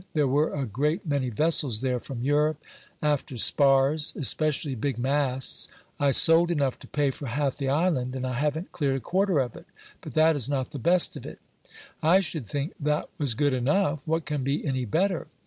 There were a great many vessels there, from Europe, after spars especially big masts. I sold enough to pay for half the island, and I haven't cleared a quarter of it; but that is not the best of it." "I should think that was good enough; what can be any better?"